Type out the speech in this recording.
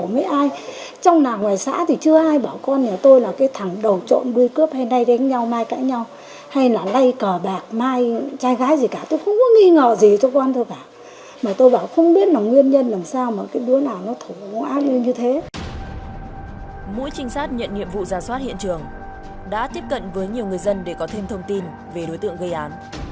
mỗi trinh sát nhận nhiệm vụ ra soát hiện trường đã tiếp cận với nhiều người dân để có thêm thông tin về đối tượng gây án